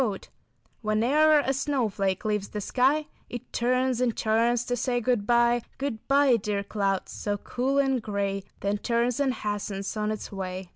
Elaborately etched] "When e'er a snowflake leaves the sky It turns and turns, to say good bye. Good bye, dear clouds, so cool and gray, Then turns and hastens on its way.